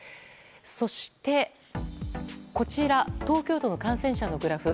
そして、こちら東京都の感染者のグラフ。